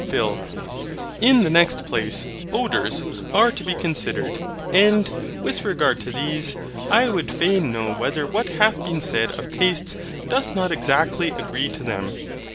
PHIL. In the next place, ODOURS are to be considered. And, with regard to these, I would fain know whether what hath been said of tastes doth not exactly agree to them?